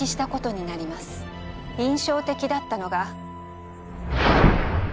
印象的だったのが。